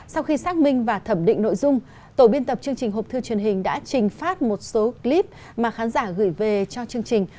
sau khi xác minh và thẩm định nội dung tổ biên tập chương trình hộp thư truyền hình đã trình phát một số clip mà khán giả gửi về cho chương trình